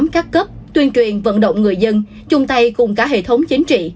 một trăm ba mươi tám các cấp tuyên truyền vận động người dân chung tay cùng cả hệ thống chính trị